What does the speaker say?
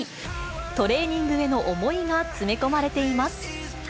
トレーニングへの思いが詰め込まれています。